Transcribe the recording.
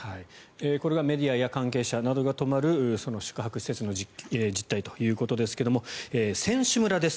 これがメディアや関係者などが泊まる宿泊施設の実態ということですが選手村です。